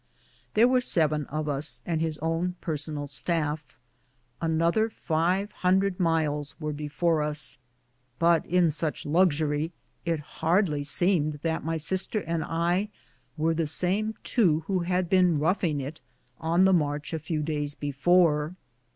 There were seven of us and his own personal staff. Another five hundred miles were before us, but in such luxury it hardly seemed that my sister and I were the same two who had been "roughing it" on the marcli a few days before.